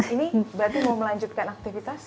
ini berarti mau melanjutkan aktivitas